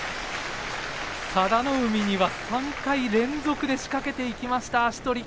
佐田の海には３回連続で仕掛けていきました足取り。